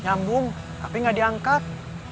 nyambung tapi nggak diangkat